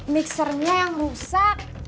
mixernya yang rusak